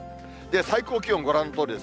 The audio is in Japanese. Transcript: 最高気温ご覧のとおりです。